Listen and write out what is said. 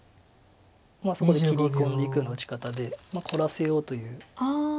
そこで切り込んでいくような打ち方で凝らせようという打ち方です。